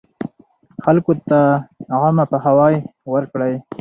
خلکو ته عامه پوهاوی ورکړئ.